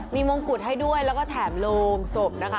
มีมงกุฎให้ด้วยแล้วก็แถมโรงศพนะคะ